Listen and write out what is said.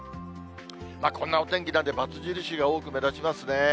こんなお天気なんで、×印が多く目立ちますね。